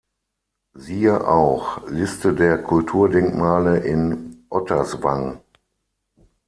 Siehe auch: Liste der Kulturdenkmale in Otterswang